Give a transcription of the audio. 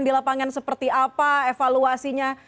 di lapangan seperti apa evaluasinya